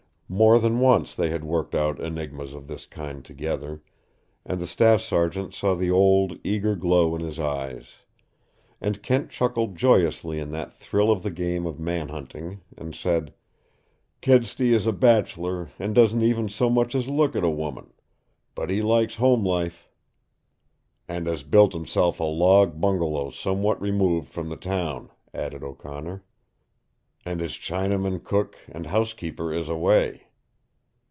More than once they had worked out enigmas of this kind together, and the staff sergeant saw the old, eager glow in his eyes. And Kent chuckled joyously in that thrill of the game of man hunting, and said: "Kedsty is a bachelor and doesn't even so much as look at a woman. But he likes home life " "And has built himself a log bungalow somewhat removed from the town," added O'Connor. "And his Chinaman cook and housekeeper is away."